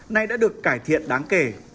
nay đã được cải thiện đáng kể